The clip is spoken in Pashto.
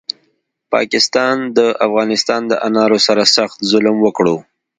پاکستاد د افغانستان دانارو سره سخت ظلم وکړو